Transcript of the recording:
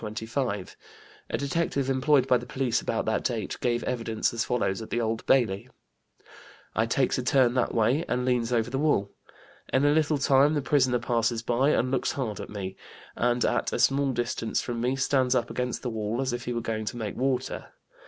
A detective employed by the police about that date gave evidence as follows at the Old Bailey; "I takes a turn that way and leans over the wall. In a little time the prisoner passes by, and looks hard at me, and at a small distance from me stands up against the wall as if he was going to make water.